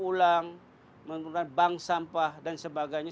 menulang menggunakan bank sampah dan sebagainya